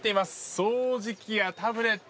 掃除機やタブレット